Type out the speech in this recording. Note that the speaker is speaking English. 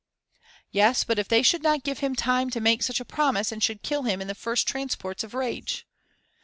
Yes, but if they should not give him time to make such a promise and should kill him in the first transports of rage?